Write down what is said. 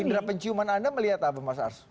indera penciuman anda melihat apa mas ars